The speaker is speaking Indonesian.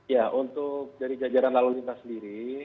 ya untuk dari jajaran lalu lintas sendiri